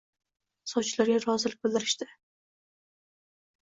Sovchilarga rozilik bildirishdi